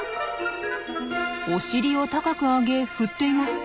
お尻を高く上げ振っています。